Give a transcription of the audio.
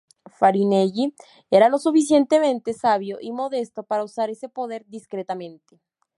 Farinelli era lo suficientemente sabio y modesto para usar ese poder discretamente.